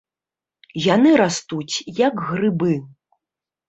Яны растуць як грыбы.